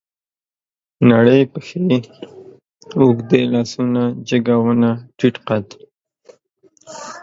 نرۍ پښې، اوږده لاسونه، جګه ونه، ټيټ قد